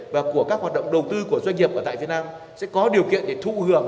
và của các hoạt động đầu tư của doanh nghiệp ở tại việt nam sẽ có điều kiện để thụ hưởng